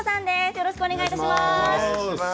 よろしくお願いします。